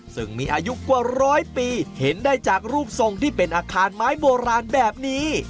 ซึ่งมีอายุกว่าร้อยปีเห็นได้จากรูปทรงที่เป็นอาคารไม้โบราณแบบนี้